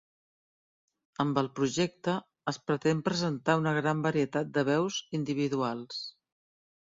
Amb el projecte es pretén presentar una gran varietat de veus individuals.